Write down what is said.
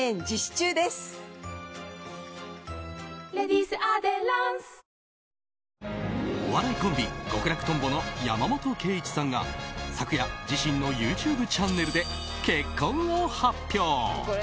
フーダブルお笑いコンビ極楽とんぼの山本圭壱さんが昨夜、自身のＹｏｕＴｕｂｅチャンネルで結婚を発表。